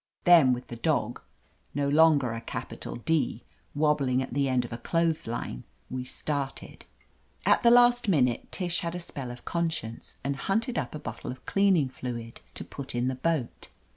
Then, with the dog — no longer a capital D — ^wobbling at the end of a clothes line, we started. « At the last minute Tish had a spell of con science and hunted up a bottle of cleaning fluid to put in the boat.